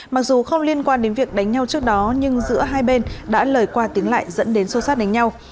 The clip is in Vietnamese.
mặc dù không liên quan đến việc đánh nhau trước đó nhưng giữa hai bên đã lời qua tiếng lại dẫn đến xô sát đánh nhau